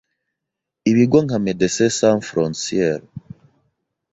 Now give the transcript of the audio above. Ibigo nka Médecins Sans Frontières,